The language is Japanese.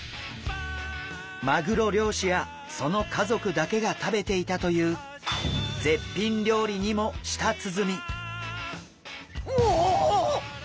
マグロ漁師やその家族だけが食べていたという絶品料理にも舌鼓。